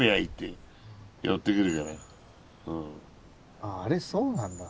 あああれそうなんだ。